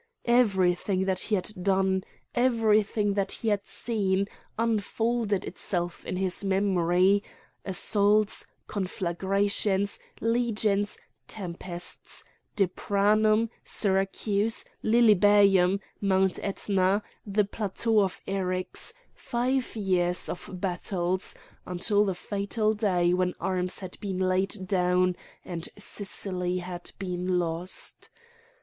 Everything that he had done, everything that he had seen, unfolded itself in his memory: assaults, conflagrations, legions, tempests, Drepanum, Syracuse, Lilybæum, Mount Etna, the plateau of Eryx, five years of battles,—until the fatal day when arms had been laid down and Sicily had been lost.